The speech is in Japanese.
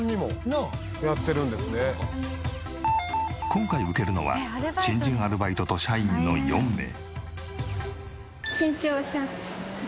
今回受けるのは新人アルバイトと社員の４名。